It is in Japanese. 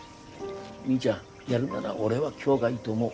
みーちゃんやるなら俺は今日がいいと思う。